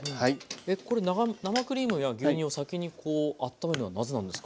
えっこれ生クリームや牛乳を先にあっためるのはなぜなんですか？